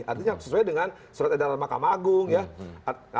artinya sesuai dengan surat edaran mahkamah agung ya